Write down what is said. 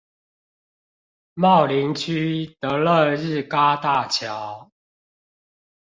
茂林區得樂日嘎大橋